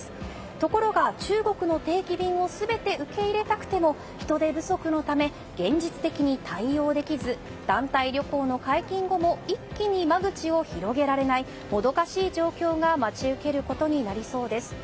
ところが中国の定期便を全て受け入れたくても人手不足のため現実的に対応できず団体旅行の解禁後も一気に間口を広げられないもどかしい状況が待ち受けることになりそうです。